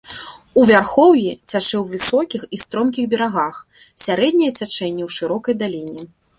У вярхоўі цячэ ў высокіх і стромкіх берагах, сярэдняе цячэнне ў шырокай даліне.